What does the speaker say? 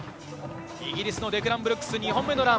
イギリスのデクラン・ブルックス、２本目のラン。